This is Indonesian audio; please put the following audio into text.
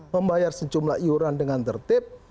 membayar sejumlah iuran dengan tertib